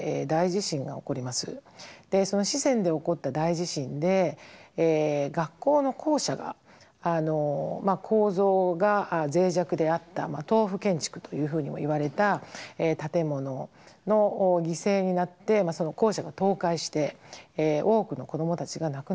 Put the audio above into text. その四川で起こった大地震で学校の校舎がまあ構造がぜい弱であった豆腐建築というふうにもいわれた建物の犠牲になってその校舎が倒壊して多くの子どもたちが亡くなりました。